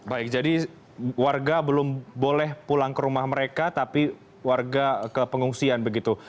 baik jadi warga belum boleh pulang ke rumah mereka tapi warga ke pengungsian begitu